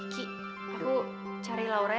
ki aku cari laura ya